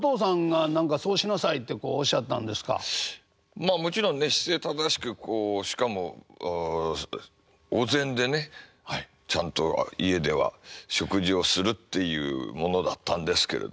まあもちろんね姿勢正しくこうしかもお膳でねちゃんと家では食事をするっていうものだったんですけれどね。